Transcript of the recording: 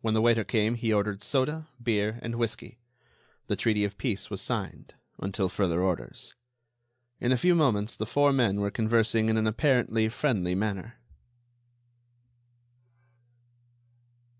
When the waiter came he ordered soda, beer and whisky. The treaty of peace was signed—until further orders. In a few moments the four men were conversing in an apparently friendly manner.